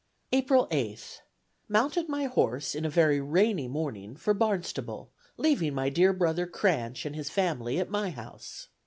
"April 8th. Mounted my horse, in a very rainy morning, for Barnstable, leaving my dear brother Cranch and his family at my house.